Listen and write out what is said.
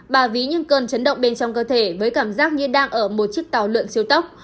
bà ví những cơn chấn động bên trong cơ thể với cảm giác như đang ở một chiếc tàu lượn siêu tốc